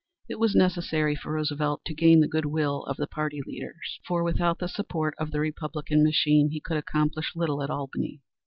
It was necessary for Roosevelt to gain the good will of the party leaders, for without the support of the Republican machine he could accomplish little at Albany.